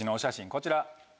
こちら。